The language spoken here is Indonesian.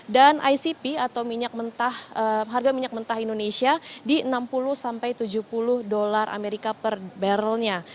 dan icp atau harga minyak mentah indonesia di enam puluh sampai tujuh puluh dolar amerika per barrelnya